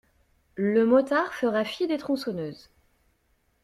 Le motard fera fi des tronçonneuses.